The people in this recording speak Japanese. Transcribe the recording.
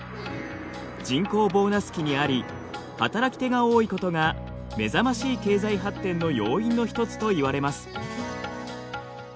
人口ボーナス期にあり働き手が多いことが目覚ましい経済発展の要因の一つといわれます。